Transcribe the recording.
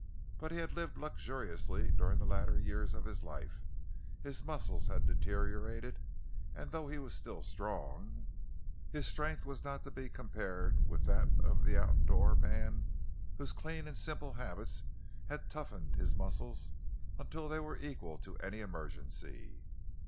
But he had lived luxuriously during the later years of his life; his muscles had deteriorated, and though he was still strong, his strength was not to be compared with that of the out of door man whose clean and simple habits had toughened his muscles until they were equal to any emergency.